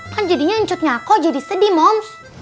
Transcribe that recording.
kan jadinya ncutnya aku jadi sedih moms